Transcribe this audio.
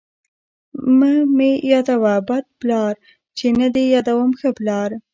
ـ مه مې يادوه بد پلار، چې نه دې يادوم ښه پلار.